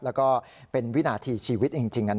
และก็เป็นวินาทีชีวิตจริงนะฮะ